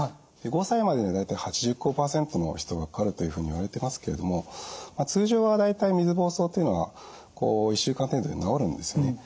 ５歳までには大体８５％の人がかかるというふうにいわれてますけれども通常は大体水ぼうそうというのは１週間程度で治るんですね。